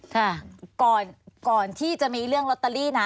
ค่ะก่อนที่จะมีเรื่องลอตเตอรี่นะ